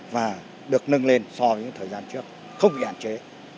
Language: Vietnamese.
và được nâng lên so với thời gian trước không bị hạn chế